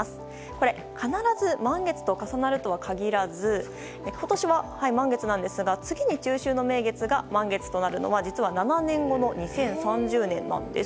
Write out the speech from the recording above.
これ、必ず満月と重なるとは限らず今年は満月ですが次に中秋の名月が満月となるのは実は７年後の２０３０年なんです。